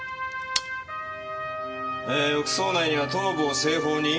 えー浴槽内には頭部を西方に。